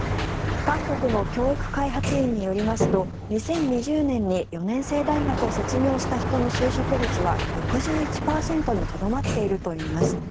韓国の教育開発院によりますと２０２０年に４年制大学を卒業した人の就職率は６１％にとどまっているといいます。